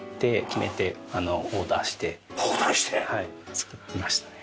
作りましたね。